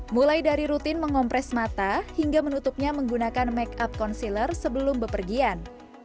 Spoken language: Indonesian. mulai dari rutin mengompres mata hingga menutupnya menggunakan make up conseller sebelum bepergian